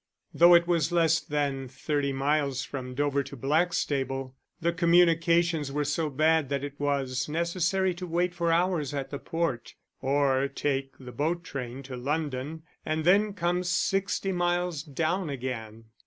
Though it was less than thirty miles from Dover to Blackstable the communications were so bad that it was necessary to wait for hours at the port, or take the boat train to London and then come sixty miles down again.